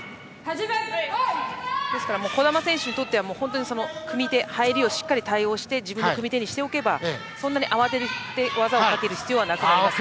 ですから児玉選手にとっては組み手の入りしっかり対応して自分の組み手にしておけばそんなに慌てて技をかける必要はなくなります。